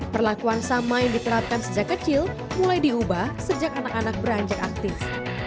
perlakuan sama yang diterapkan sejak kecil mulai diubah sejak anak anak beranjak aktif